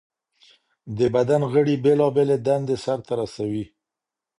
د بدن غړي بېلابېلې دندې سرته رسوي.